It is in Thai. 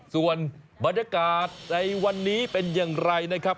ส่วนบรรยากาศในวันนี้เป็นอย่างไรนะครับ